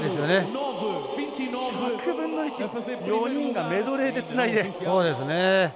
４人がメドレーでつないで。